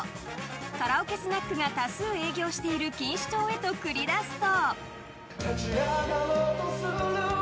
カラオケスナックが多数営業している錦糸町へと繰り出すと。